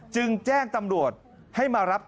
จึงแจ้งตำรวจให้มารับ